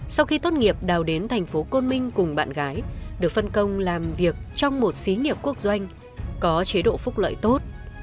sau khi tốt nghiệp đào đến thành phố côn minh cùng bạn gái được phân công làm việc trong một xí nghiệp quốc doanh có chế độ phúc lợi tốt